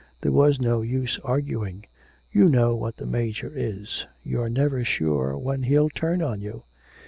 There was no use arguing.... You know what the Major is; you are never sure when he'll turn on you.